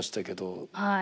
はい。